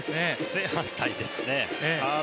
正反対ですね。